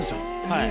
はい。